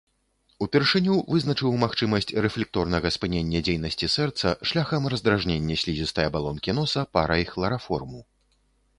Упершыню вызначыў магчымасць рэфлекторнага спынення дзейнасці сэрца шляхам раздражнення слізістай абалонкі носа парай хлараформу.